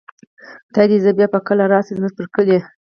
خدای زده بیا به کله را شئ، زموږ پر کلي